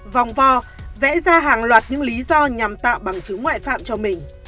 vòng vo vẽ ra hàng loạt những lý do nhằm tạo bằng chứng ngoại phạm cho mình